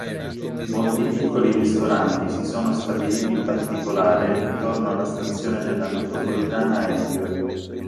Molti piccoli ristoranti si sono stabiliti in particolare intorno alla stazione della metropolitana Angel.